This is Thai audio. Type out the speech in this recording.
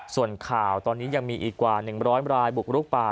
ส่วนข่าวตอนนี้ยังมีอีกกว่า๑๐๐รายบุกรุกป่า